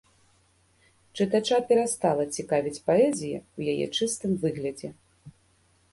Чытача перастала цікавіць паэзія ў яе чыстым выглядзе.